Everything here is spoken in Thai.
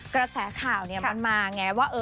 กระแสข่าวมันมาไงว่า